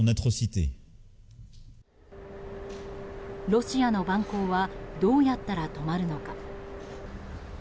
ロシアの蛮行はどうやったら止まるのか。